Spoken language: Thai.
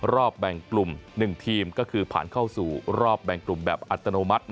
รอบแบ่งกลุ่ม๑ทีมก็คือผ่านเข้าสู่รอบแบ่งกลุ่มแบบอัตโนมัติ